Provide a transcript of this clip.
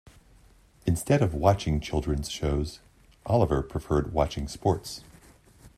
Instead of watching children's shows, Oliver preferred watching sports.